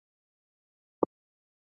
د هیواد غمیزه اوږدوي.